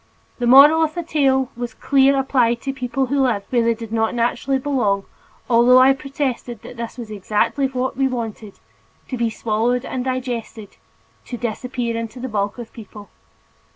The moral of the tale was clear applied to people who lived "where they did not naturally belong," although I protested that was exactly what we wanted to be swallowed and digested, to disappear into the bulk of the people.